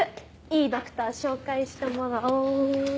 いいドクター紹介してもらお。